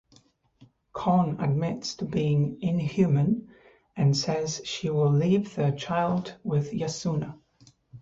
Kon admits to being inhuman and says she will leave their child with Yasuna.